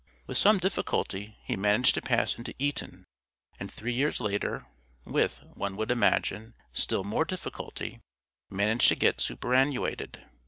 With some difficulty he managed to pass into Eton, and three years later with, one would imagine, still more difficulty managed to get superannuated.